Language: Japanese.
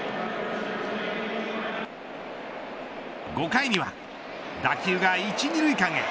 ５回には打球が１、２塁間へ。